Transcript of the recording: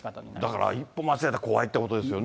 だから一歩間違えたら怖いということですよね。